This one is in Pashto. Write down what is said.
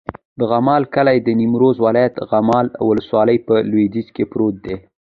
د غمال کلی د نیمروز ولایت، غمال ولسوالي په لویدیځ کې پروت دی.